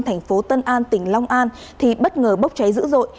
tp tân an tỉnh long an thì bất ngờ bốc cháy dữ dội